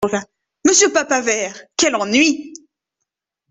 Monsieur Papavert ! quel ennui !